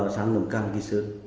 sang nầm can kỳ sơn